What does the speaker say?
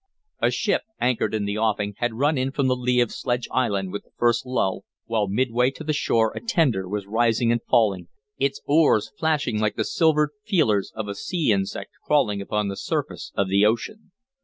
A ship, anchored in the offing, had run in from the lee of Sledge Island with the first lull, while midway to the shore a tender was rising and falling, its oars flashing like the silvered feelers of a sea insect crawling upon the surface of the ocean.